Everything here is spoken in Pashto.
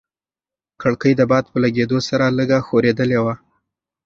کړکۍ د باد په لګېدو سره لږه ښورېدلې وه.